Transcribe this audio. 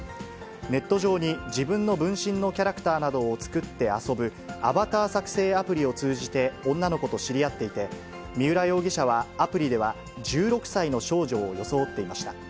ネット上に自分の分身のキャラクターなどを作って遊ぶ、アバター作成アプリを通じて女の子と知り合っていて、三浦容疑者は、アプリでは、１６歳の少女を装っていました。